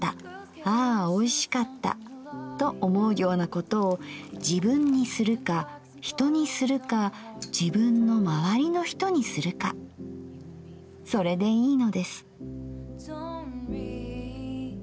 『ああ美味しかった』と思うようなことを自分にするか人にするか自分の周りの人にするかそれでいいのです」。